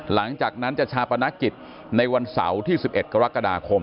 หลังจากนั้นจะชาปนกิจในวันเสาร์ที่๑๑กรกฎาคม